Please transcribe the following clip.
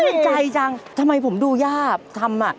หื่นใจจังทำไมผมดูย่าทำน่ะ